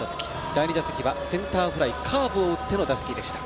第２打席はセンターフライカーブを打っての打席でした。